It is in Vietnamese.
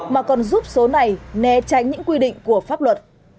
mà còn giúp số này né tránh những quy định của pháp luật